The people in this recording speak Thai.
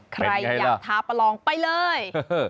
ใครอยากท้าประลองไปเลย